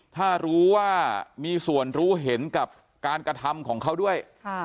ถ้ารู้ว่ามีส่วนรู้เห็นกับการกระทำของเขาด้วย